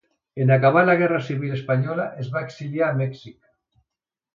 En acabar la guerra civil espanyola es va exiliar a Mèxic.